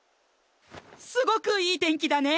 すごくいい天気だね！